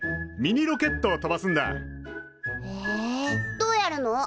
どうやるの？